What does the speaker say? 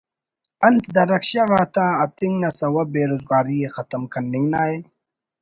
انت دا رکشہ غا تا اَتنگ نا سوب بے روزگاری ءِ ختم کننگ نا ءِ